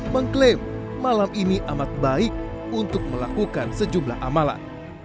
mengklaim malam ini amat baik untuk melakukan sejumlah amalan